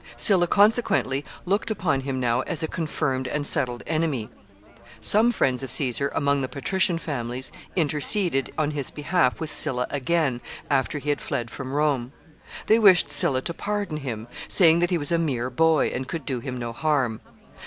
Sylla consequently looked upon him now as a confirmed and settled enemy. Some friends of Caesar among the patrician families interceded in his behalf with Sylla again, after he had fled from Rome. They wished Sylla to pardon him, saying that he was a mere boy and could do him no harm.